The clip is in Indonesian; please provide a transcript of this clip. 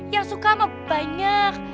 yang suka sama banyak